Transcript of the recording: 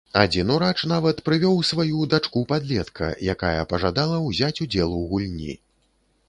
Адзін урач нават прывёў сваю дачку-падлетка, якая пажадала ўзяць удзел у гульні.